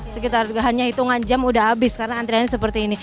sekitar hanya hitungan jam udah habis karena antriannya seperti ini